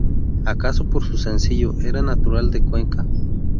Acaso por su apellido, era natural de Cuenca.